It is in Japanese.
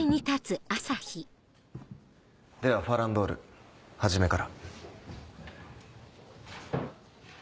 では『ファランドール』始めから。